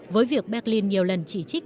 với việc berlin nhiều lần chỉ trích